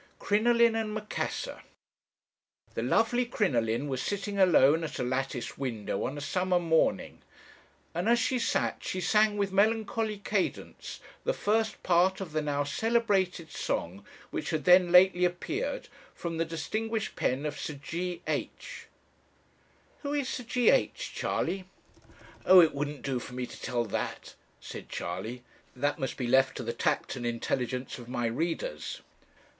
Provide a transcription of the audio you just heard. "CRINOLINE AND MACASSAR." "The lovely Crinoline was sitting alone at a lattice window on a summer morning, and as she sat she sang with melancholy cadence the first part of the now celebrated song which had then lately appeared, from the distinguished pen of Sir G H ," 'Who is Sir G H , Charley?' 'Oh, it wouldn't do for me to tell that,' said Charley. 'That must be left to the tact and intelligence of my readers.'